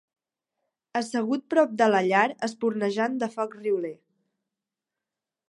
Assegut prop de la llar espurnejant de foc rioler